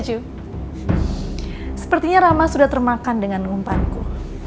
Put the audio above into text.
maju sepertinya rama sudah termakan dengan ngumpanku